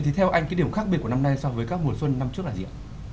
thì theo anh cái điểm khác biệt của năm nay so với các mùa xuân năm trước là gì ạ